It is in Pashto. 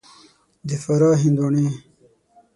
د فراه هندوانې